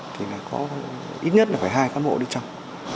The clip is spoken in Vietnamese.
thì là có ít nhất là phải hai cán bộ đi trong